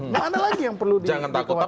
tidak ada lagi yang perlu dikhawatirkan